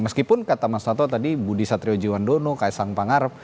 meskipun kata mas lato tadi budi satriojiwandono ks angpangar